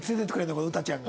この詩ちゃんが。